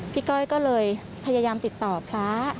ก้อยก็เลยพยายามติดต่อพระ